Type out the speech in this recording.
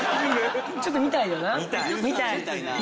ちょっと見たいよな。